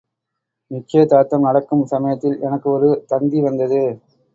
நிச்சயதார்த்தம் நடக்கும் சமயத்தில் எனக்கு ஒரு தந்தி வந்தது.